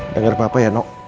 dengar papa ya no